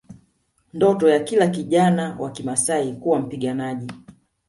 Ndoto ya kila kijana wa Kimaasai kuwa mpiganaji